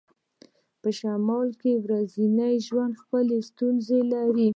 په شمال کې ورځنی ژوند خپلې ستونزې لري